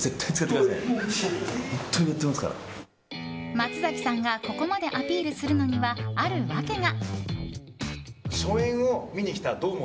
松崎さんがここまでアピールするのにはある訳が。